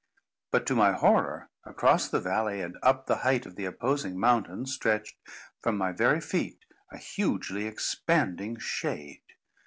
But, to my horror, across the valley, and up the height of the opposing mountains, stretched, from my very feet, a hugely expanding shade.